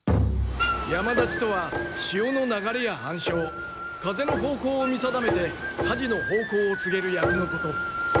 山立とは潮の流れや暗しょう風の方向を見定めて舵の方向を告げる役のこと。